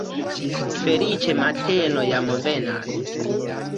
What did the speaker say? Feliĉe mateno jam venas!